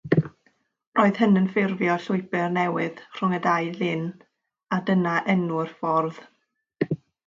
Roedd hyn yn ffurfio llwybr newydd rhwng y ddau lyn, a dyna enw'r ffordd.